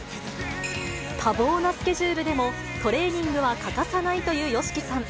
多忙なスケジュールでも、トレーニングは欠かさないというＹＯＳＨＩＫＩさん。